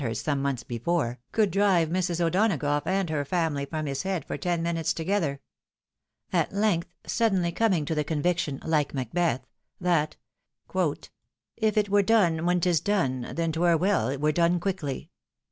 143 hurst some months before, could drive Mrs. O'Donagough and her family from his head for ten minutes together, At length, suddenly coming to the conviction, like Macbeth, that — If it were done, when 'tis done, then 'twere well It were done quickly.